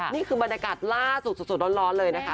นี่คือบรรยากาศล่าสุดสดร้อนเลยนะคะ